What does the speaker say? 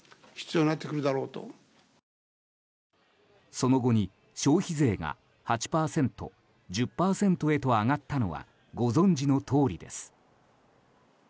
その後に消費税が８％、１０％へと上がったのはご存じのとおりです。